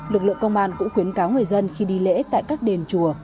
lực lượng công an cũng khuyến cáo người dân khi đi lễ tại các đền chùa